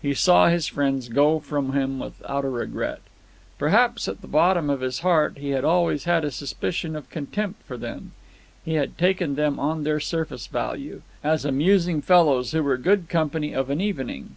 He saw his friends go from him without a regret. Perhaps at the bottom of his heart he had always had a suspicion of contempt for them. He had taken them on their surface value, as amusing fellows who were good company of an evening.